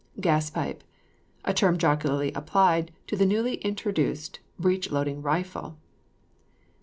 GAS PIPE. A term jocularly applied to the newly introduced breech loading rifle.